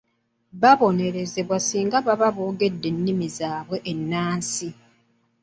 Babonerezebwa ssinga baba boogedde ennimi zaabwe ennansi.